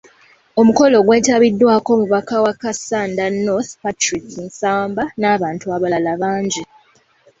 Omukolo gwetabiddwako omubaka wa Kassanda North, Patrick Nsamba n'abantu abalala bangi.